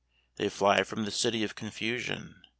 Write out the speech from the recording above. They fly from the city of confusion.